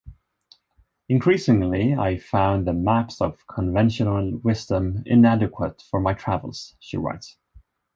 "Increasingly I found the maps of conventional wisdom inadequate for my travels," she writes.